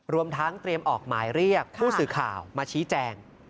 รวมทั้งเตรียมออกหมายเรียกผู้สื่อข่าวมาชี้แจง